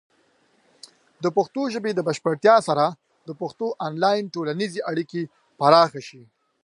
د پښتو ژبې د بشپړتیا سره، د پښتنو آنلاین ټولنیزې اړیکې پراخه شي.